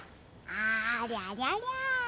ありゃりゃりゃ。